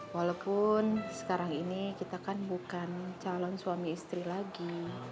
walaupun sekarang ini kita kan bukan calon suami istri lagi